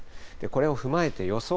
これを踏まえて予想